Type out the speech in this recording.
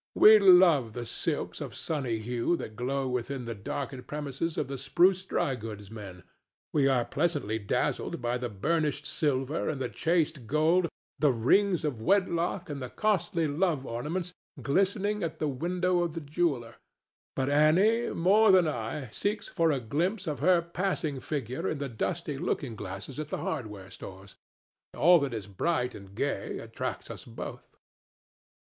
We love the silks of sunny hue that glow within the darkened premises of the spruce dry goods men; we are pleasantly dazzled by the burnished silver and the chased gold, the rings of wedlock and the costly love ornaments, glistening at the window of the jeweller; but Annie, more than I, seeks for a glimpse of her passing figure in the dusty looking glasses at the hardware stores. All that is bright and gay attracts us both.